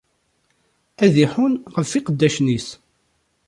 Ad iḥunn ɣef iqeddacen-is.